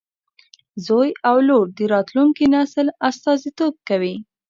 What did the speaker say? زوی او لور د راتلونکي نسل استازیتوب کوي.